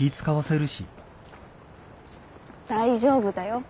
大丈夫だよ。